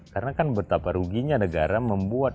karena kan betapa ruginya negara membuat